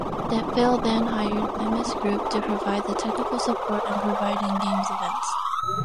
NetDevil then hired Themis Group to provide technical support and provide in-game events.